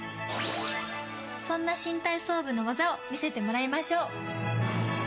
そんな新体操部の技を見せてもらいましょう。